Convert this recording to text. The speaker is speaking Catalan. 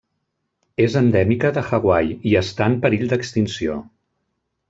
És endèmica de Hawaii, i està en perill d'extinció.